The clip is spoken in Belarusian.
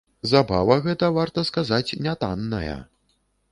Забава гэта, варта сказаць, не танная.